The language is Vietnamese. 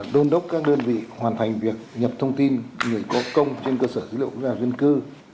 đôn đốc các đơn vị hoàn thành việc nhập thông tin người có công trên cơ sở dữ liệu quốc gia dân cư